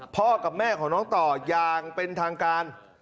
กับแม่ของน้องต่ออย่างเป็นทางการ